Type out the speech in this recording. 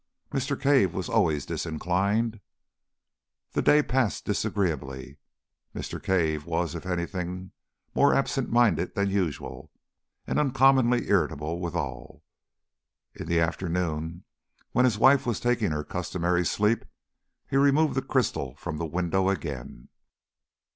Mr. Cave was always disinclined. The day passed disagreeably. Mr. Cave was, if anything, more absent minded than usual, and uncommonly irritable withal. In the afternoon, when his wife was taking her customary sleep, he removed the crystal from the window again.